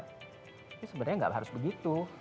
sebenarnya enggak harus begitu